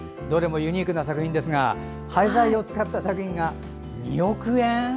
どれもユニークな作品ですが廃材を使った作品が２億円？